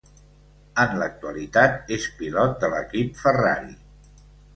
En l'actualitat és pilot de l'equip Ferrari.